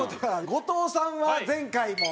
後藤さんは前回も。